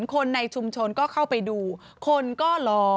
คนในชุมชนก็เข้าไปดูคนก็รอ